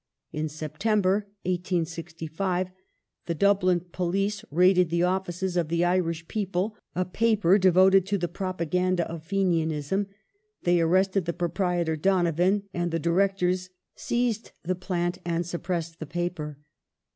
In September, 1865, the Dublin police raided the offices of the Irish People^ a paper devoted to the propaganda of Fenianism ; they arrested the proprietor Donovan and the directors, seized the plant and sup pressed the paper.